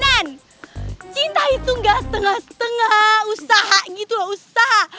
dan cinta itu gak setengah setengah usaha gitu loh usaha